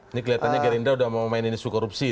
ini kelihatannya gerindra sudah memainkan isu korupsi